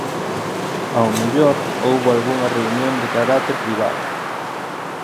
Ao mellor houbo algunha reunión de carácter privado.